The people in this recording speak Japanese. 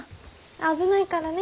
危ないからね。